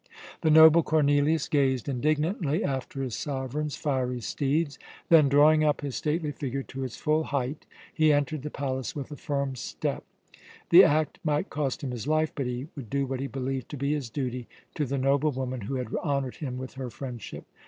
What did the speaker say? The noble Cornelius gazed indignantly after his sovereign's fiery steeds; then, drawing up his stately figure to its full height, he entered the palace with a firm step. The act might cost him his life, but he would do what he believed to be his duty to the noble woman who had honoured him with her friendship.